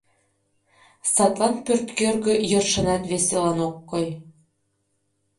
Садлан пӧрткӧргӧ йӧршынат веселан ок кой.